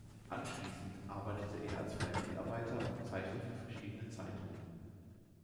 Anschließend arbeitete er als freier Mitarbeiter und Zeichner für verschiedene Zeitungen.